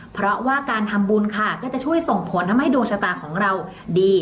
เพราะว่าการทำบุญค่ะก็จะช่วยส่งผลทำให้ดวงชะตาของเราดี